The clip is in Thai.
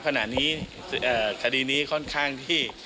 ขณะนี้คดีนี้ค่อนข้างที่